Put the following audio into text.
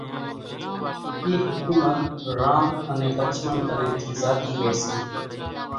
اِي حڪُومت رام انين لڇمڻ ڪنين ٿِي زاتِي رئيَ سي،